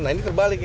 nah ini terbalik